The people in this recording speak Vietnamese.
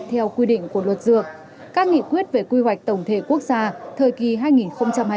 theo quy định của luật dược các nghị quyết về quy hoạch tổng thể quốc gia